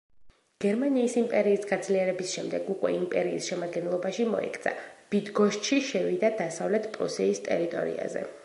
გერმანიის იმპერიის გაძლიერების შემდეგ უკვე, იმპერიის შემადგენლობაში მოექცა, ბიდგოშჩი შევიდა დასავლეთ პრუსიის ტერიტორიაზე.